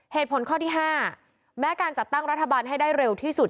เหตุผลข้อที่๕แม้การจัดตั้งรัฐบาลให้ได้เร็วที่สุด